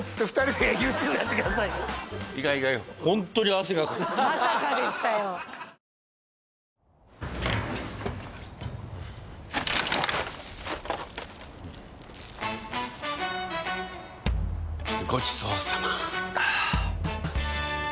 はぁごちそうさま！